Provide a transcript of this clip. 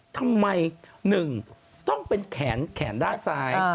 ทำไมหนึ่งต้องเป็นแขนด้านซ้าย